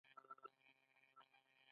د بزګرانو ژوند د کرنې سره تړلی دی.